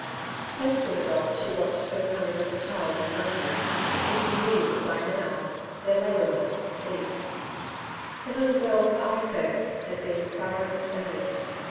Close to the dog she watched for the coming of the child and Nungi, for she knew that by now their labour must have ceased. The little girl's eye service had been thorough and earnest.